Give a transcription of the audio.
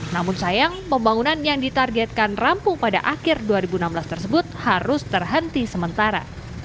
namun sayang pembangunan yang ditargetkan rampung pada akhir dua ribu enam belas tersebut harus terhenti sementara